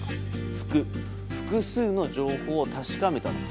「ふく」複数の情報を確かめたのか？